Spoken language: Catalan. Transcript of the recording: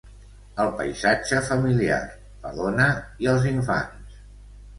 el paisatge familiar, la dona i els infants